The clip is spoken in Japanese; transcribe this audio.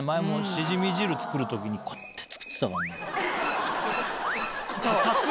シジミ汁作る時にこうやって作ってたからね。